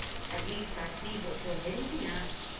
"At least, I see what you're hinting at.